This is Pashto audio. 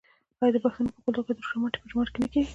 آیا د پښتنو په کلتور کې د روژې ماتی په جومات کې نه کیږي؟